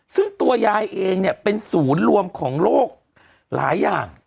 ซึ่งตัวยายเองเนี่ยเป็นศูนย์รวมของโลกหลายอย่าง